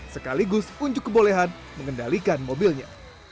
sekaligus unjuk kebolehan mengendalikan mobilnya